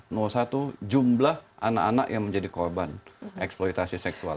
nomor satu jumlah anak anak yang menjadi korban eksploitasi seksual